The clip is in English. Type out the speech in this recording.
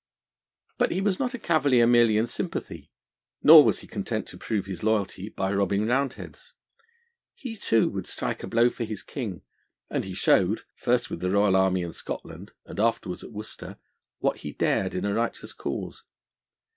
But he was not a Cavalier merely in sympathy, nor was he content to prove his loyalty by robbing Roundheads. He, too, would strike a blow for his King, and he showed, first with the royal army in Scotland, and afterwards at Worcester, what he dared in a righteous cause.